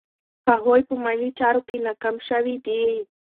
هغوی په مالي چارو کې ناکام شوي دي.